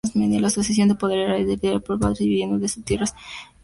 La sucesión de poder era hereditaria, con padres dividiendo su tierra entre sus hijos.